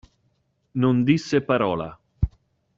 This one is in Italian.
Non disse parola.